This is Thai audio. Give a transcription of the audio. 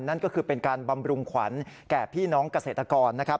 นั่นก็คือเป็นการบำรุงขวัญแก่พี่น้องเกษตรกรนะครับ